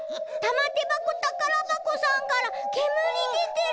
てばこたからばこさんからけむりでてる。